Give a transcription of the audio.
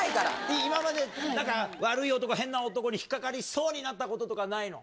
今まで、なんか、悪い男、変な男に引っ掛かりそうになったこととかないの？